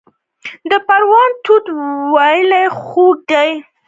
د پروان توت ولې خوږ دي؟